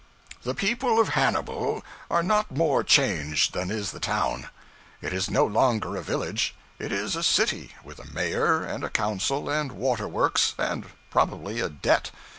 The people of Hannibal are not more changed than is the town. It is no longer a village; it is a city, with a mayor, and a council, and water works, and probably a debt.